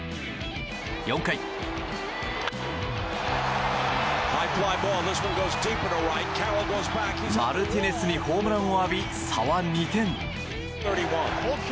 ４回、マルティネスにホームランを浴び差は２点。